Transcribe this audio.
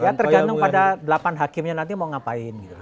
ya tergantung pada delapan hakimnya nanti mau ngapain gitu